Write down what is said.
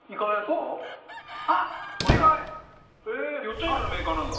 ちゃんイカのメーカーなんだ。